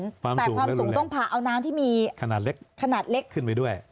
แต่ความสูงต้องผ่าเอาน้ำที่มีขนาดเล็กขนาดเล็กขึ้นไปด้วย